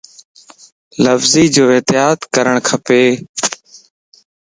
لفظي جو احتياط ڪرڻ کپ